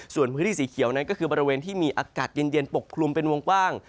ส่วนพื้นที่สีเขียวนั้นก็คือบริเวณที่มีอากาศเย็นปกคลุมเป็นวงกว้าง